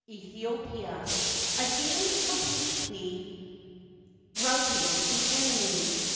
em Aethiopia, again completely routing the enemy.